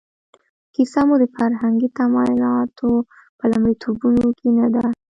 کیسه مو د فرهنګي تمایلاتو په لومړیتوبونو کې نه ده.